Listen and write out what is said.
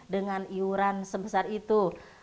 dengan iuran sebesar itu